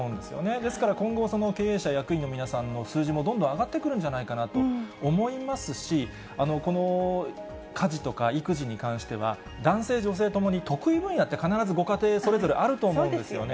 ですから今後、経営者・役員の皆さんの数字もどんどん上がってくるんじゃないかなと思いますし、この家事とか育児に関しては、男性、女性ともに得意分野って、必ずご家庭、それぞれあると思うんですよね。